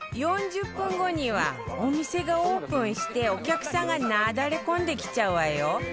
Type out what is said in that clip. ４０分後にはお店がオープンしてお客さんがなだれ込んできちゃうわよ